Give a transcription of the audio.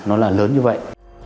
nó là lớn như vậy